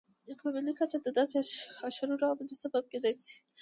په ملي کچه د داسې اشرونو عملي سبب کېدای شي.